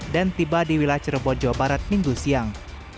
dan tiba di wilayah cerebon jawa barat minggu siang